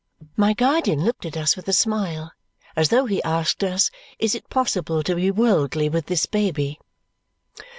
My guardian looked at us with a smile, as though he asked us, "Is it possible to be worldly with this baby?"